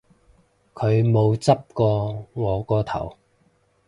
佢冇執過我個頭